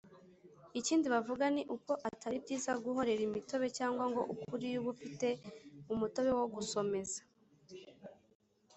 Ikindi bavuga ni uko atari byiza guhorera imitobe cyangwa ngo uko uriye ube ufite umutobe wo gusomeza